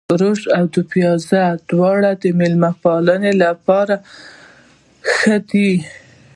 روش او دوپيازه دواړه د مېلمه پالنې لپاره ښه دي.